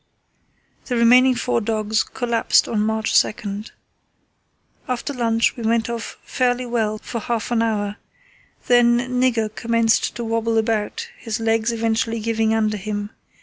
The remaining four dogs collapsed on March 2. "After lunch we went off fairly well for half an hour. Then Nigger commenced to wobble about, his legs eventually giving under him.